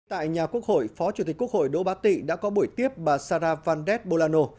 tại nhà quốc hội phó chủ tịch quốc hội đỗ bá tị đã có buổi tiếp bà saravande bolano